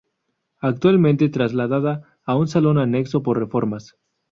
Actualmente trasladada a un salón anexo, por reformas.